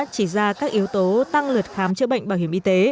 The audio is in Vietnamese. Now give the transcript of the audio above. chỉ ra các yếu tố tăng lượt khám chữa bệnh bảo hiểm y tế